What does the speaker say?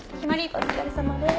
お疲れさまです。